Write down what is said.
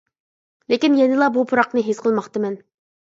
لېكىن، يەنىلا بۇ پۇراقنى ھېس قىلماقتىمەن.